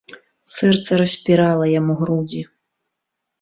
Сэрца распірала яму грудзі.